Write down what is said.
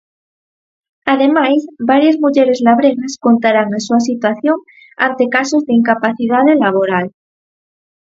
Ademais, varias mulleres labregas contarán a súa situación ante casos de incapacidade laboral.